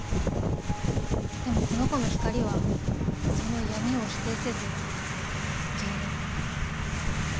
でもこの子の光はその闇を否定せず受け入れる。